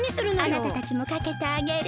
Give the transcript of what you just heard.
あなたたちもかけてあげる！